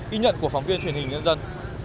ý nhận của phóng viên truyền hình nhân dân